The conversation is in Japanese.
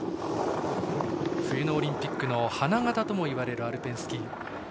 冬のオリンピックの花形ともいわれるアルペンスキー。